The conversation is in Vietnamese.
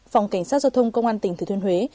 phòng cảnh sát giao thông công an tỉnh thứ thứ huế